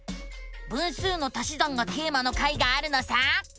「分数の足し算」がテーマの回があるのさ！